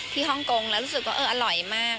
ฮ่องกงแล้วรู้สึกว่าเอออร่อยมาก